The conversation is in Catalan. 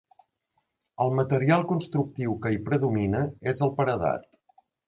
El material constructiu que hi predomina és el paredat.